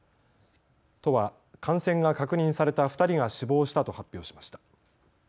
都は感染が確認された２人が死亡したと発表しました。